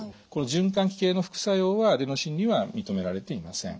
循環器系の副作用はアデノシンには認められていません。